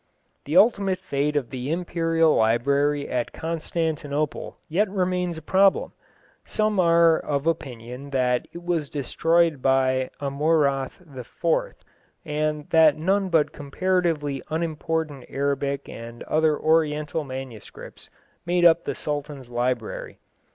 The ultimate fate of the imperial library at Constantinople yet remains a problem. Some are of opinion that it was destroyed by Amurath IV., and that none but comparatively unimportant Arabic and other Oriental manuscripts make up the Sultan's library.